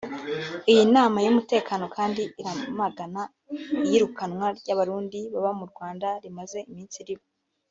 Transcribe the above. Iyi nama y’umutekano kandi iramagana iyirukanwa ry’Abarundi baba mu Rwanda rimaze iminsi riba